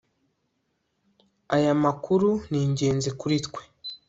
Aya makuru ni ingenzi kuri twe